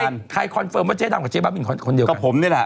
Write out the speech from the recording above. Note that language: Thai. ใครคอนเฟิร์มว่าเจ๊ดำกับเจ๊บ้าบินคนเดียวกับผมนี่แหละ